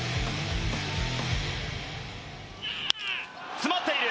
詰まっている！